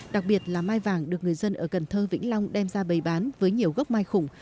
đặc biệt là mai vàng được người dân ở cần thơ vĩnh long đem ra bày bán với nhiều gốc mai khủng